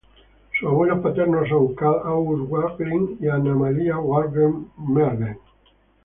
Sus abuelos paternos son Carl August Wahlgren y Anna Amalia Mellgren-Wahlgren.